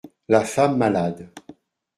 La femme malade.